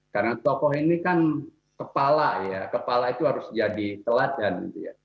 karena tokoh ini kan kepala ya kepala itu harus jadi teladan